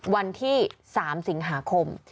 วันที่๓สิงหาคม